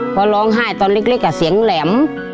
เพราะร้องไห้ตอนเล็กอ่ะเสียงแหลม